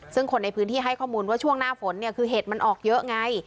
ซึ่งคนในพื้นที่ให้ข้อมูลว่าช่วงหน้าฝนเนี่ยคือเห็ดมันออกเยอะไง